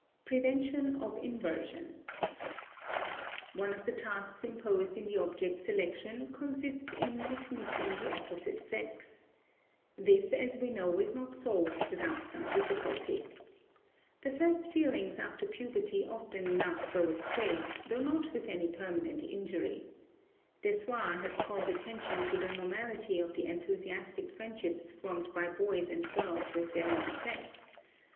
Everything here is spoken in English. *Prevention of Inversion.* One of the tasks imposed in the object selection consists in not missing the opposite sex. This, as we know, is not solved without some difficulty. The first feelings after puberty often enough go astray, though not with any permanent injury. Dessoir has called attention to the normality of the enthusiastic friendships formed by boys and girls with their own sex.